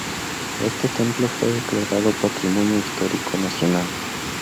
Este templo fue declarado Patrimonio Histórico Nacional.